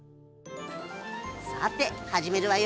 さて始めるわよ！